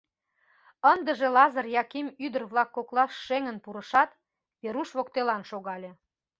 Ындыже Лазыр Яким ӱдыр-влак коклаш шеҥын пурышат, Веруш воктелан шогале.